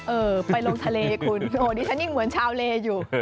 เออไปลงทะเลคุณโอ้ดิฉันยังเหมือนชาวเลอยู่